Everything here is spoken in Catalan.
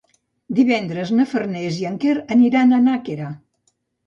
Divendres na Farners i en Quer aniran a Nàquera.